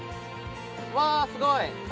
うわ、すごい！